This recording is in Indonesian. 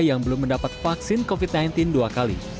yang belum mendapat vaksin covid sembilan belas dua kali